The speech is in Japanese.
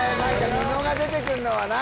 布が出てくるのはな